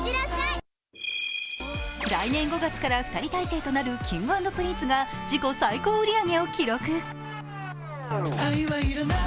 来年５月から２人体制となるＫｉｎｇ＆Ｐｒｉｎｃｅが自己最高売り上げを記録。